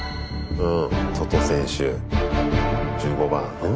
うん。